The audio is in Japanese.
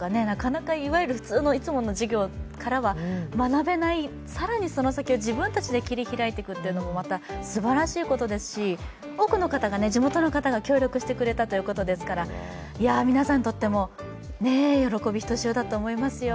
いつもの授業からは学べない、更にそれを自分たちが切り開いていくというのがまたすばらしいことですし、多くの方が地元の方が協力してくれたということですから、皆さんにとっても喜びひとしおだと思いますよ